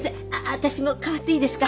私も代わっていいですか？